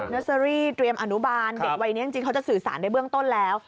เชอรี่เตรียมอนุบาลเด็กวัยนี้จริงเขาจะสื่อสารในเบื้องต้นแล้ว